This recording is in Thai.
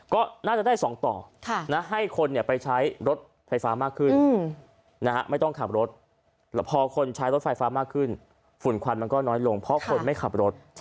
ก็น่าจะได้๒ต่อให้คนไปใช้รถไฟฟ้ามากขึ้นไม่ต้องขับรถพอคนใช้รถไฟฟ้ามากขึ้นฝุ่นควันมันก็น้อยลงเพราะคนไม่ขับรถ